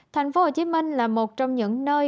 tp hcm là một trong những nơi